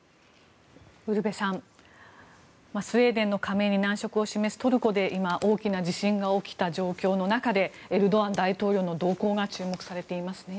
ウルヴェさんスウェーデンの加盟に難色を示すトルコで、今大きな地震が起きた状況の中でエルドアン大統領の動向が注目されていますね。